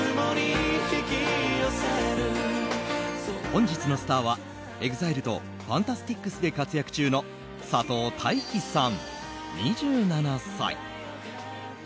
本日のスターはＥＸＩＬＥとＦＡＮＴＡＳＴＩＣＳで活躍中の佐藤大樹さん、２７歳。